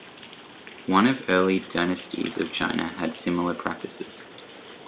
One of early dynasties of China had similar practices.